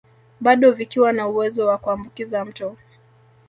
Bado vikiwa na uwezo wa kuambukiza mtu